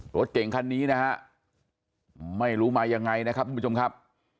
รถเก่งคันนี้นะฮะไม่รู้มายังไงนะครับทุกผู้ชมครับ